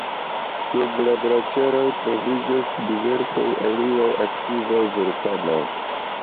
Sub la glaĉeroj troviĝas diversaj aliaj aktivaj vulkanoj.